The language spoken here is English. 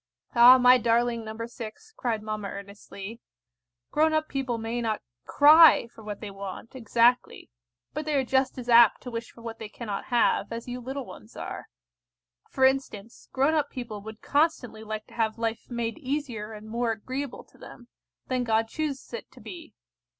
"Ah, my darling No. 6," cried mamma earnestly, "grown up people may not cry for what they want exactly, but they are just as apt to wish for what they cannot have, as you little ones are. For instance, grown up people would constantly like to have life made easier and more agreeable to them, than God chooses it to be.